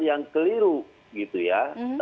yang keliru gitu ya